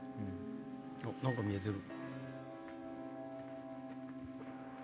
何か見えてる。